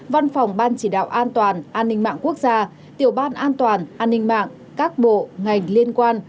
văn phòng ban chỉ đạo an toàn an ninh mạng quốc gia tiểu ban an toàn an ninh mạng các bộ ngành liên quan